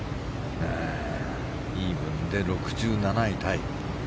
イーブンで６７位タイ。